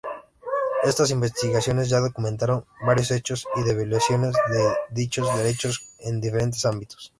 Esas investigaciones ya documentaron varios hechos de violaciones de dichos derechos en diferentes ámbitos.